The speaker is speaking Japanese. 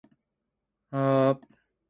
いさ